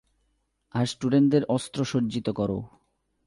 আর স্টুডেন্টদের অস্ত্রসজ্জিত করো।